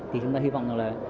thì chúng ta hy vọng là